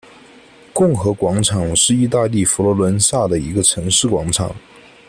共和广场是意大利佛罗伦萨的一个城市广场。